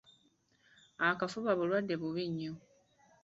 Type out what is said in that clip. Akafuba bulwadde bubi nnyo.